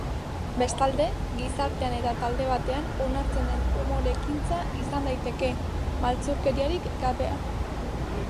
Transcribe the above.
Bestalde, gizartean eta talde batean onartzen den umore ekintza izan daiteke, maltzurkeriarik gabea.